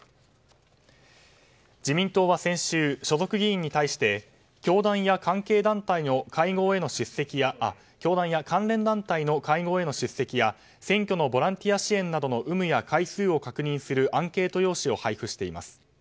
自民党は先週、所属議員に対して教団や関連団体の会合への出席や選挙のボランティア支援などの有無や回数を確認するアンケート用紙を配布しています。